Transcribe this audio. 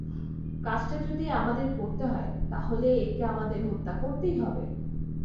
কাজটা যদি আমাদের করতে হয়, তাহলে একে আমাদের হত্যা করতেই হবে!